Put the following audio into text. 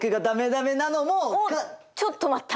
おっちょっと待った。